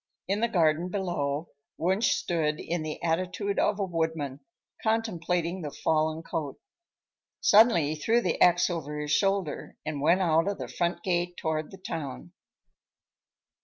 In the garden below Wunsch stood in the attitude of a woodman, contemplating the fallen cote. Suddenly he threw the axe over his shoulder and went out of the front gate toward the town.